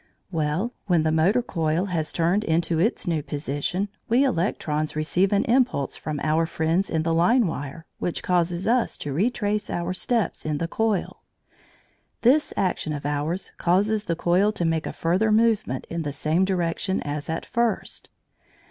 Well, when the motor coil has turned into its new position, we electrons receive an impulse from our friends in the line wire which causes us to retrace our steps in the coil. This action of ours causes the coil to make a further movement in the same direction as at first.